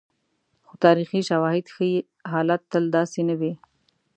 خو تاریخي شواهد ښيي، حالت تل داسې نه وي.